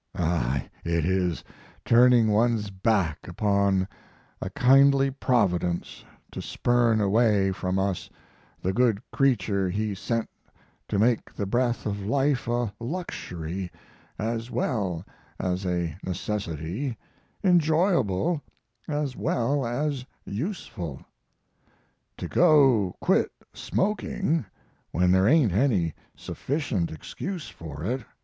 Ah, it is turning one's back upon a kindly Providence to spurn away from us the good creature he sent to make the breath of life a luxury as well as a necessity, enjoyable as well as useful. To go quit smoking, when there ain't any sufficient excuse for it!